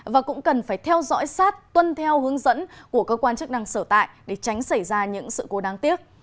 và cũng cần phải theo dõi sát tuân theo hướng dẫn của cơ quan chức năng sở tại để tránh xảy ra những sự cố đáng tiếc